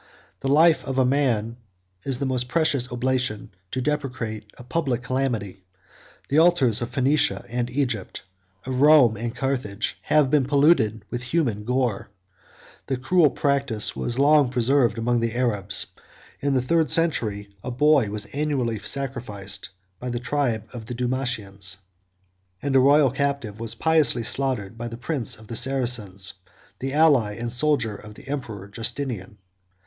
The life of a man 50 is the most precious oblation to deprecate a public calamity: the altars of Phoenicia and Egypt, of Rome and Carthage, have been polluted with human gore: the cruel practice was long preserved among the Arabs; in the third century, a boy was annually sacrificed by the tribe of the Dumatians; 51 and a royal captive was piously slaughtered by the prince of the Saracens, the ally and soldier of the emperor Justinian.